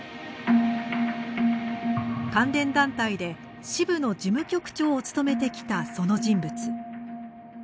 関連団体で支部の事務局長を務めてきた、その人物。